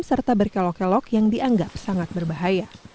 serta berkelok kelok yang dianggap sangat berbahaya